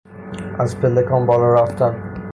از پلکان بالا رفتن